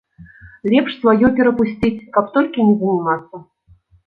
Лепш сваё перапусціць, каб толькі не занімацца.